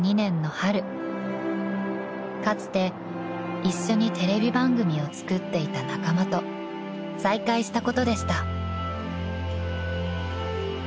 ［かつて一緒にテレビ番組を作っていた仲間と再会したことでした］